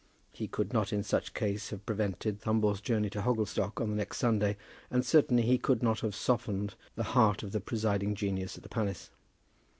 He could not in such case have prevented Thumble's journey to Hogglestock on the next Sunday, and certainly he could not have softened the heart of the presiding genius at the palace.